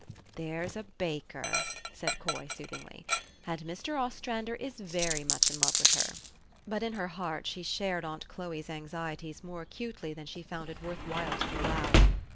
"There's a baker," said Coy soothingly, "and Mr. Ostrander is very much in love with her." But in her heart she shared aunt Chloe's anxieties more acutely than she found it worth while to allow.